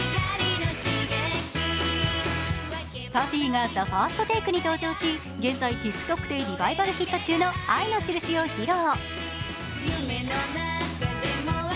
ＰＵＦＦＹが「ＴＨＥＦＩＲＳＴＴＡＫＥ」に登場し、現在、ＴｉｋＴｏｋでリバイバルヒット中の「愛のしるし」を披露。